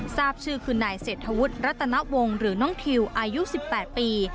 ทราบชื่อคือนายเศรษฐวุฒิรัตนวงหรือน้องทิวอายุ๑๘ปี